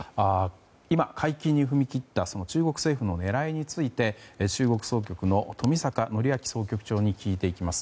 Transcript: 今、解禁に踏み切った中国政府の狙いについて中国総局の冨坂範明総局長に聞いていきます。